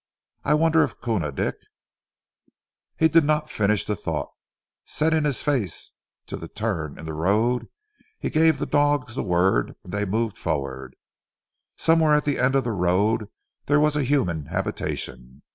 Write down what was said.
I wonder if Koona Dick " He did not finish the thought. Setting his face to the turn in the road, he gave the dogs the word and they moved forward. Somewhere at the end of the road there was a human habitation.